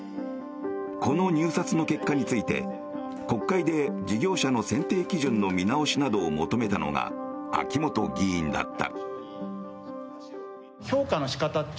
この入札の結果について国会で事業者の選定基準の見直しなどを求めたのが秋本議員だった。